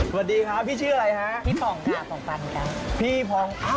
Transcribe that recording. สวัสดีครับพี่ชื่ออะไรฮะ